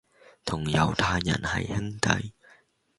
同猶太人係兄弟